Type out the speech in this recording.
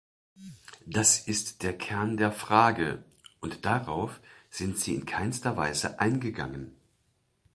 Das ist der Kern der Frage, und darauf sind Sie in keinster Weise eingegangen.